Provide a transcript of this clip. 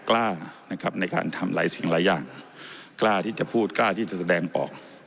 กล้านะครับในการทำหลายสิ่งหลายอย่างกล้าที่จะพูดกล้าที่จะแสดงออก